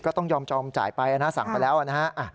๑๒๐ก็ต้องยอมจ่ายไปนะสั่งไปแล้วนะ